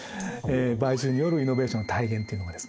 買収によるイノベーションの体現というのがですね